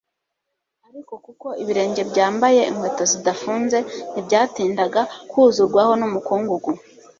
ariko kuko ibirenge byambaye inkweto zidafunze ntibyatindaga kuzurwaho n'umukungugu;